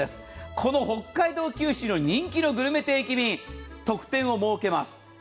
この北海道・九州の人気のグルメ定期便、特典を設けます。